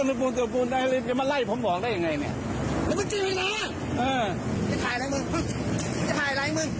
พี่เกลียดไหมน้ำมันเอาไงเคเอาเลย